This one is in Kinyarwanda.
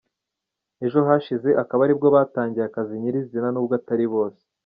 Ejo hashize akaba aribwo batangiye akazi nyirizina nubwo atari bose.